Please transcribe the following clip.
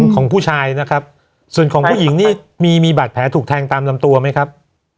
ของผู้ชายนะครับส่วนของผู้หญิงนี่มีมีบาดแผลถูกแทงตามลำตัวไหมครับ